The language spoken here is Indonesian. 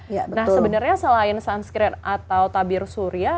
nah sebenarnya selain sunscreen atau tabir surya